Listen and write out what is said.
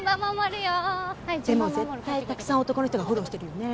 でも絶対たくさん男の人がフォローしてるよね